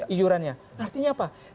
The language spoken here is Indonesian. iurannya artinya apa